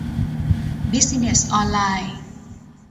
บิซิเนส ออนไลน์